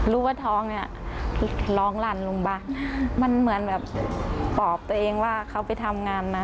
รู้ว่าท้องล้องหลั่นลุงบ้างมันเหมือนปอบตัวเองว่าเขาไปทำงานนะ